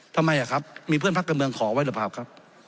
ทำไมครับมีเพื่อนพกันเมืองขอไว้เหรอครับ